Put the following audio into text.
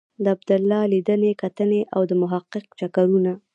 د عبدالله لیدنې کتنې او د محقق چکرونه.